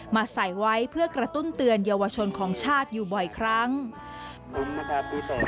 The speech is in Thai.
ใส่ไว้เพื่อกระตุ้นเตือนเยาวชนของชาติอยู่บ่อยครั้งนะครับ